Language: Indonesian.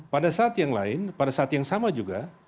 pada saat yang lain pada saat yang sama juga